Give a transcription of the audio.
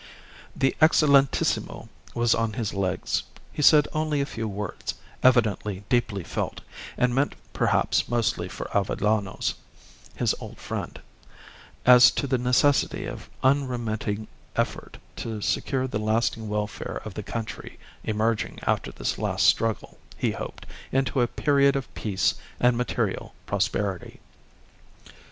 The Excellentissimo was on his legs. He said only a few words, evidently deeply felt, and meant perhaps mostly for Avellanos his old friend as to the necessity of unremitting effort to secure the lasting welfare of the country emerging after this last struggle, he hoped, into a period of peace and material prosperity.